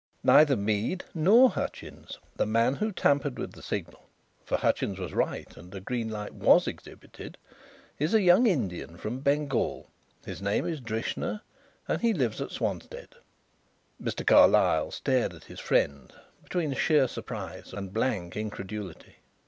"Neither Mead nor Hutchins. The man who tampered with the signal for Hutchins was right and a green light was exhibited is a young Indian from Bengal. His name is Drishna and he lives at Swanstead." Mr. Carlyle stared at his friend between sheer surprise and blank incredulity.